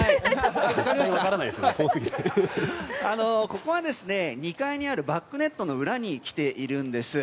ここは２階にあるバックネットの裏に来ているんです。